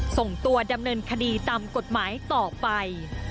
ส่งตัวดำเนินคดีตามกฎหมายต่อไป